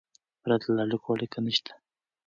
پرته له اړیکو، اړیکه نسته.